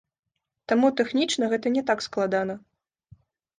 Таму тэхнічна гэта не так складана.